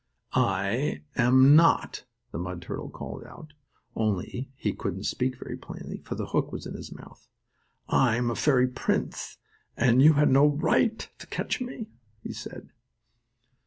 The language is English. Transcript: "I am not!" the mud turtle called out, only he couldn't speak very plainly, for the hook was in his mouth. "I'm a fairy prince, and you had no right to catch me," he said.